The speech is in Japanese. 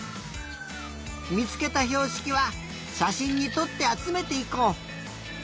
みつけたひょうしきはしゃしんにとってあつめていこう。